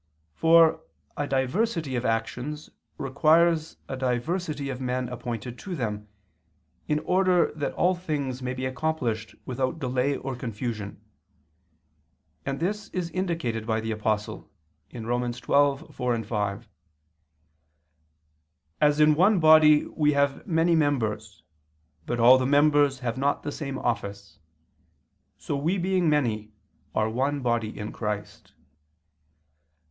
For a diversity of actions requires a diversity of men appointed to them, in order that all things may be accomplished without delay or confusion; and this is indicated by the Apostle (Rom. 12:4, 5), "As in one body we have many members, but all the members have not the same office, so we being many are one body in Christ."